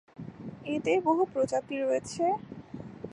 এদের বহু প্রজাতি রয়েছে।